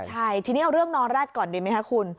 ใช่ทีนี้เอาเรื่องนอแร็ดก่อนดีไหมคะคุณ